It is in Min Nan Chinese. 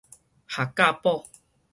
學甲堡